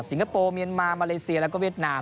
สิงคโปร์เมียนมาร์มาเลเซียและเวียดนาม